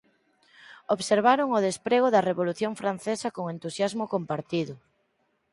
Observaron o desprego da Revolución Francesa con entusiasmo compartido.